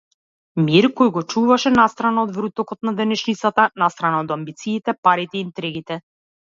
Мир кој го чуваше настрана од врутокот на денешницата, настрана од амбициите, парите, интригите.